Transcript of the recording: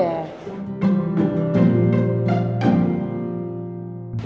ya sebal deh